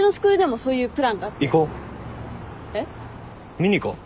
見に行こう。